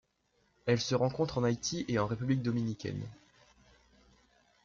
Elle se rencontre en Haïti et en République dominicaine.